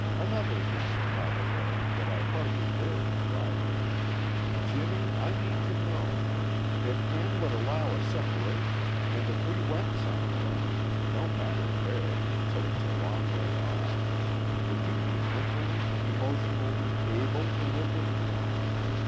"Another thing, by the way, that I hardly dared to write. "Jimmy, I need to know: if Ann would allow a separation, and if we went somewhere no matter where, so it's a long way off would you be mentally, emotionally able to live with me?